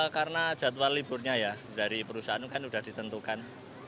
karena jadwal liburnya ya dari perusahaan itu kan sudah ditentukan